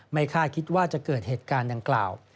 คาดคิดว่าจะเกิดเหตุการณ์ดังกล่าว